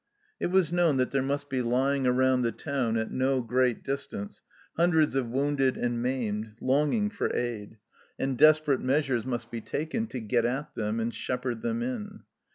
It was known that there must be lying around the town at no great distance hundreds of wounded and maimed, longing for aid, and desperate measures must be taken to get at them and shepherd them in.